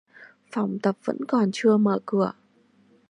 Phòng tập vẫn còn chưa mở cửa